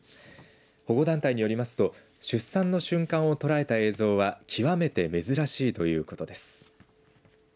保護団体によりますと出産の瞬間を捉えた映像は極めて珍しいということです。